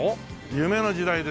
夢の時代ですよ。